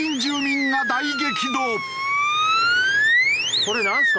これなんですか？